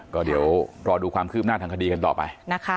ก็เดี๋ยวรอดูความคืบหน้าทางคดีกันต่อไปนะคะ